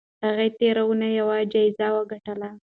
هغې تېره اونۍ یوه جایزه وګټله.